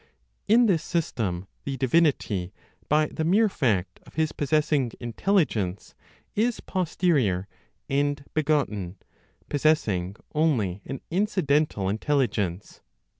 In this system the divinity, by the mere fact of his possessing intelligence, is posterior and begotten, possessing only an incidental intelligence.